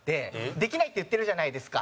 「できないって言ってるじゃないですか」